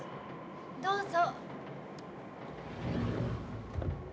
・どうぞ。